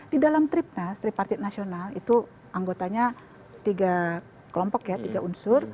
di dalam trip street party national itu anggotanya tiga kelompok ya tiga unsur